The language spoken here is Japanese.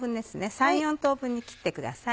３４等分に切ってください